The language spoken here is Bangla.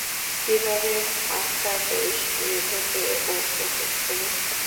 কীভাবে আশা করিস যে, তোকে ও প্রপোজ করুক?